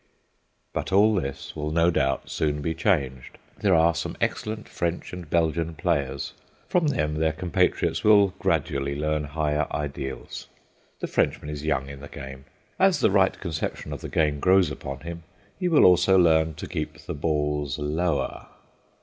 But all this will no doubt soon be changed. There are some excellent French and Belgian players; from them their compatriots will gradually learn higher ideals. The Frenchman is young in the game. As the right conception of the game grows upon him, he will also learn to keep the balls lower.